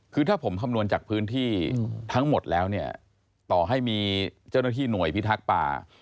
คือถ้าผมคำนวณจากพื้นที่ทั้งหมดแล้วเนี่ยต่อให้มีเจ้าหน้าที่หน่วยพิทักษ์ป่า